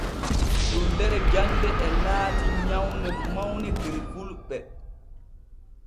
Dullere jande e laati nyawne mawne der fulɓe.